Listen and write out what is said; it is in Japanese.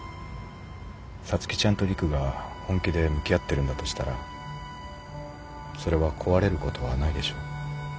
皐月ちゃんと陸が本気で向き合ってるんだとしたらそれは壊れることはないでしょ。